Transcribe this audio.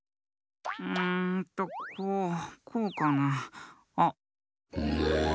うんとこうこうかな？あっ。